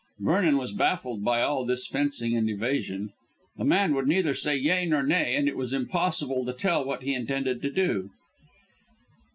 Vernon was baffled by all this fencing and evasion. The man would neither say "yea" nor "nay," and it was impossible to tell what he intended to do.